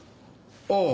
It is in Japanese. ああ。